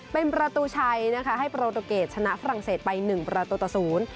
เป็นประตูชัยให้โปรโตเกรดชนะฝรั่งเศสไป๑ประตูตะศูนย์